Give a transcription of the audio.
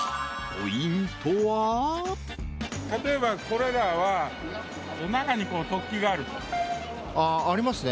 例えばこれらは中に突起があるああありますね